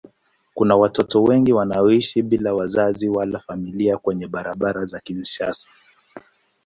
Kuna watoto wengi wanaoishi bila wazazi wala familia kwenye barabara za Kinshasa.